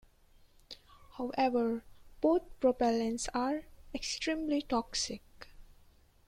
However, both propellants are extremely toxic.